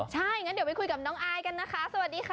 ใช่งั้นเดี๋ยวไปคุยกับน้องอายกันนะคะสวัสดีค่ะ